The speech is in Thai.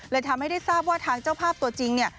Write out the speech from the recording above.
เลยทำให้ได้ทราบว่าทางเจ้าภาพตัวจริง